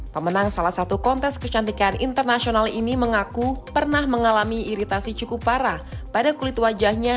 pemenang salah satu kontes kecantikan internasional ini mengaku pernah mengalami iritasi cukup parah pada kulit wajahnya